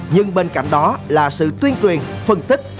nhưng bên cạnh đó là sự tuyên truyền phân tích